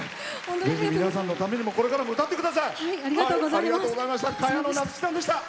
皆さんのためにもこれからも歌ってください。